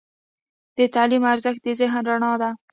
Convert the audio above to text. د تعلیم ارزښت د ذهن رڼا ده.